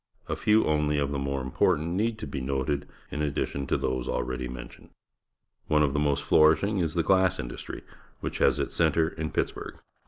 A few only of the more important need be noted, in addition to those already mentioned. One of the most flourish ing is the glass industry, which has its centre in Pittsburgh.